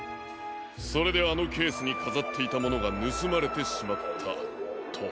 それであのケースにかざっていたものがぬすまれてしまったと。